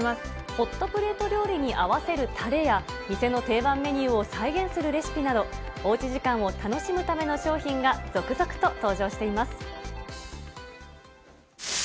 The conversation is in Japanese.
ホットプレート料理に合わせるたれや、店の定番メニューを再現するレシピなど、おうち時間を楽しむための商品が続々と登場しています。